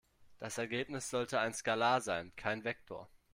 Das Ergebnis sollte ein Skalar sein, kein Vektor.